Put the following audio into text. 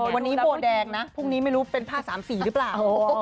วันนี้โบแดงนะพรุ่งนี้ไม่รู้เป็นผ้า๓๔หรือเปล่า